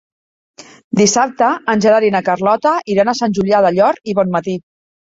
Dissabte en Gerard i na Carlota iran a Sant Julià del Llor i Bonmatí.